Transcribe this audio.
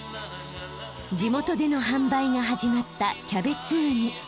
地元での販売が始まったキャベツウニ。